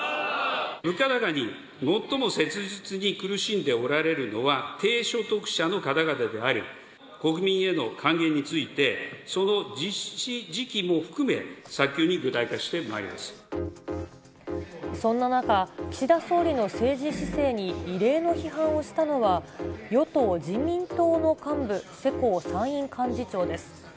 物価高に最も切実に苦しんでおられるのは、低所得者の方々であり、国民への還元について、その実施時期も含め、そんな中、岸田総理の政治姿勢に異例の批判をしたのは、与党・自民党の幹部、世耕参院幹事長です。